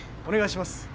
お願いします。